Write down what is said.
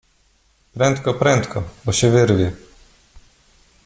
"Prędko, prędko, bo się wyrwie!"